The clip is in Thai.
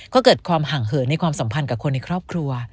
ก็เกิดความห่างเหินในความสัมพันธ์กับคนในครอบครัว